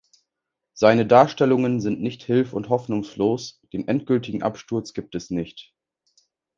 Seine Darstellungen sind nicht hilf- und hoffnungslos, den endgültigen Absturz gibt es nicht.